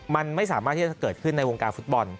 มันไม่สามารถที่จะเกิดขึ้นในวงการฟุตบอล